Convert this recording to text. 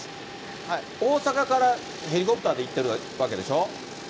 大阪からヘリコプターで行ってるわけでしょ。